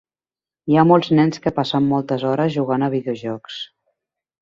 Hi ha molts nens que passen moltes hores jugant a videojocs.